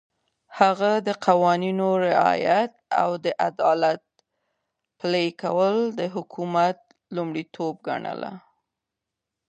هغه د قوانينو رعایت او د عدالت پلي کول د حکومت لومړيتوب ګڼله.